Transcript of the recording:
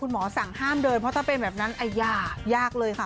หมอสั่งห้ามเดินเพราะถ้าเป็นแบบนั้นยากยากเลยค่ะ